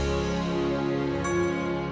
sampai jumpa lagi